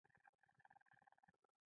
احمد يې په بلا اخته کړ.